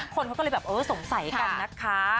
คนเขาก็เลยแบบเออสงสัยกันนะคะ